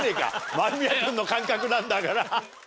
間宮君の感覚なんだから。